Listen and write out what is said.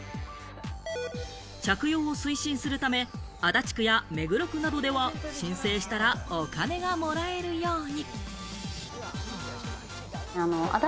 着用を推進するため、足立区や目黒区などでは、申請したらお金がもらえるように。